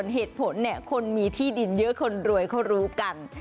เหตุผลคนมีที่ดินเยอะคนรวยเขารู้กัน